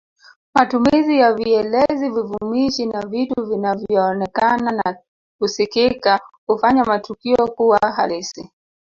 Matumizi ya vielezi vivumishi na vitu vinavyoonekana na kusikika hufanya matukio kuwa halisi